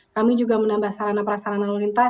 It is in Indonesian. kami juga menambah sarana perasaran lalu lintas